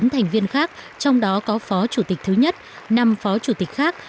hai mươi chín thành viên khác trong đó có phó chủ tịch thứ nhất năm phó chủ tịch khác